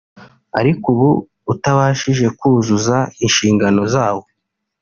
ari uko utabashije kuzuza inshingano zawo